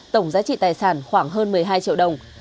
tổng giá trị tài sản khoảng hơn một mươi hai triệu đồng